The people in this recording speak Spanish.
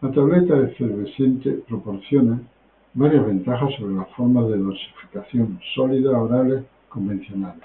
La tableta efervescente proporciona varias ventajas sobre las formas de dosificación sólidas orales convencionales.